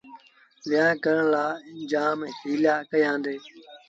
ويهآݩ ڪرڻ لآ جآم هيٚلآ ڪيآݩدي۔